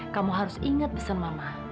kamu harus ingat pesan mama